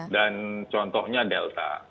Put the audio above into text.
dan contohnya delta